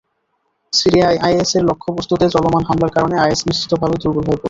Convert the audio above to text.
সিরিয়ায় আইএসের লক্ষ্যবস্তুতে চলমান হামলার কারণে আইএস নিশ্চিতভাবেই দুর্বল হয়ে পড়বে।